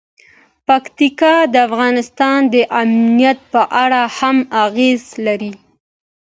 پکتیکا د افغانستان د امنیت په اړه هم اغېز لري.